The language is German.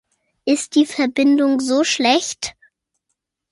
Ist die Verbindung so schlecht?